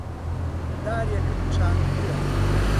دارێکم چاندووە.